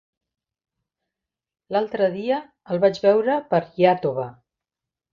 L'altre dia el vaig veure per Iàtova.